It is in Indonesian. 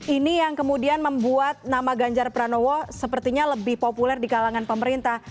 ini yang kemudian membuat nama ganjar pranowo sepertinya lebih populer di kalangan pemerintah